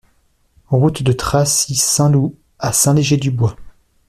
Route de Dracy Saint-Loup à Saint-Léger-du-Bois